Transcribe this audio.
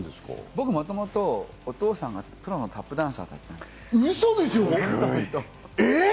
僕、もともとお父さんがプロのタップダンサーだったんですよ。